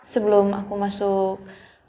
sebelum aku masuk